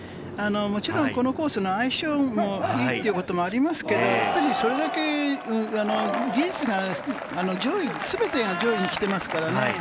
もちろんこのコースの相性もいいということもありますけれど、やっぱりそれだけ技術が全てが上位に来てますからね。